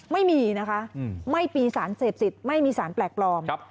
ไม่มีนะคะไม่มีสารเสพติดไม่มีสารแปลกปลอม